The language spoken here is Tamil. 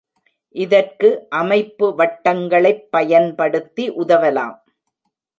இதற்கு அமைப்பு வட்டங்களைப் பயன்படுத்தி உதவலாம்.